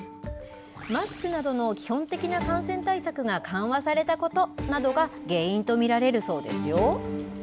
マスクなどの基本的な感染対策が緩和されたことなどが原因と見られるそうですよ。